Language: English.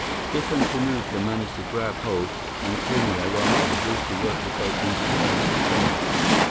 Biff and Kamuka managed to grab hold and cling there, while Mr. Brewster worked the boat into the bank itself.